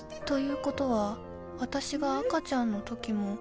［ということは私が赤ちゃんのときも］